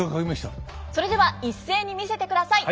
それでは一斉に見せてください。